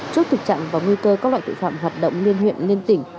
trước thực trạng và nguy cơ các loại tội phạm hoạt động liên huyện liên tỉnh